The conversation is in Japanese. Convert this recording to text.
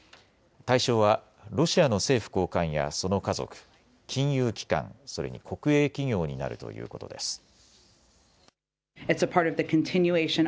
対象はロシアの政府高官やその家族、金融機関、それに国営企業になるということです。